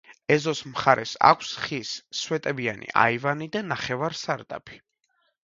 ეზოს მხარეს აქვს ხის, სვეტებიანი აივანი და ნახევარსარდაფი.